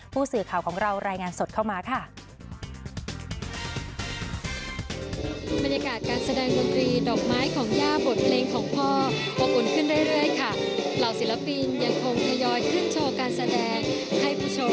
ผู้สื่อข่าวของเรารายงานสดเข้ามาค่ะ